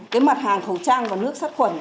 cái mặt hàng khẩu trang và nước sát khuẩn